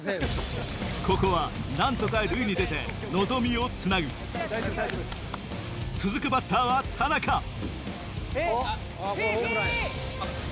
ここは何とか塁に出て望みをつなぐ続くバッターは田中フィフィ！